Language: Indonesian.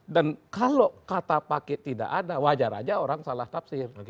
dan kalau kata pakai tidak ada wajar saja orang salah tafsir